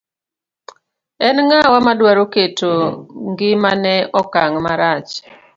En ng'awa madwaro keto ng'ima ne okang' marach.